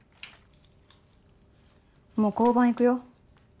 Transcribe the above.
もう交番行くよ。